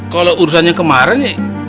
kalau urusannya kemarin nih